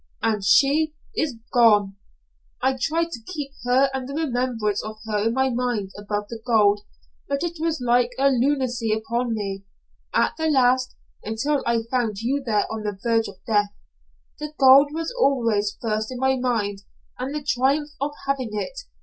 And she is gone. I tried to keep her and the remembrance of her in my mind above the gold, but it was like a lunacy upon me. At the last until I found you there on the verge of death the gold was always first in my mind, and the triumph of having it.